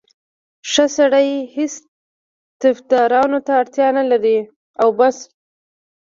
ښه سړی هېڅ طفدارانو ته اړتیا نه لري او بس.